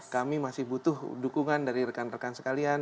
kami masih butuh dukungan dari rekan rekan sekalian